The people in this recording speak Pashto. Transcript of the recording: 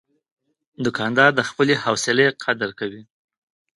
دوکاندار د خپلې حوصلې قدر کوي.